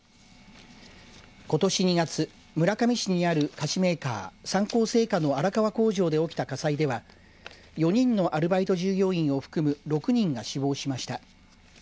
ことし２月、村上市にある菓子メーカー、三幸製菓の荒川工場で起きた火災では４人のアルバイト従業員を含む６人が死亡しました。